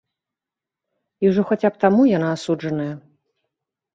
І ўжо хаця б таму яна асуджаная.